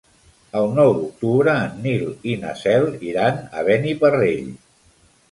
El nou d'octubre en Nil i na Cel iran a Beniparrell.